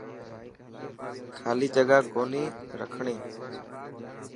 خالي جگا ڪوني رکڻي.